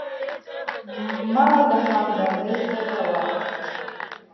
مړه د همدردۍ سترګه وه